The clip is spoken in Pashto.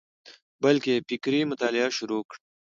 بلکي فکري مطالعه شروع کړه،